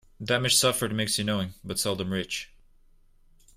Damage suffered makes you knowing, but seldom rich.